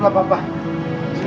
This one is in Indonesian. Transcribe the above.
kan papa jagain